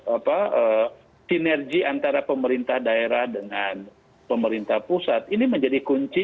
apa sinergi antara pemerintah daerah dengan pemerintah pusat ini menjadi kunci